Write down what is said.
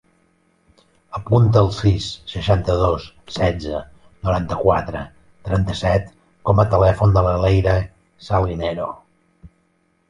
Apunta el sis, seixanta-dos, setze, noranta-quatre, trenta-set com a telèfon de la Leyre Salinero.